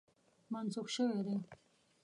منسوخ شوی دی.